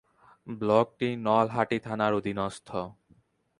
ব্লকটি নলহাটি থানার অধীনস্থ।